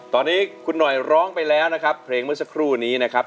ตอนนี้คุณหน่อยร้องไปแล้วนะครับเพลงเมื่อสักครู่นี้นะครับ